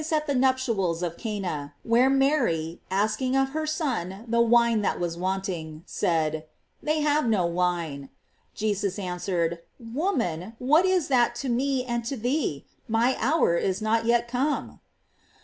451 nuptials of Cana, where Mary, asking of her Son the wine that was wanting, said: "They have no wine;" Jesus answered: "Woman, what is that to me and to thee ? my hour is not yet come."